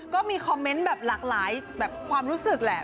ก็มีคอมเมนต์แบบหลากหลายแบบความรู้สึกแหละ